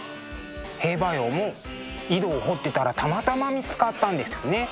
兵馬俑も井戸を掘ってたらたまたま見つかったんですね。